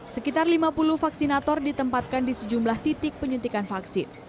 sekitar lima puluh vaksinator ditempatkan di sejumlah titik penyuntikan vaksin